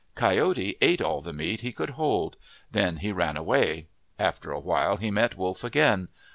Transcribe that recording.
Coyote ate all the meat he could hold. Then he ran away. After a while he met Wolf again.